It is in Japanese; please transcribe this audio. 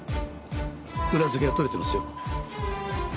裏付けは取れてますよ。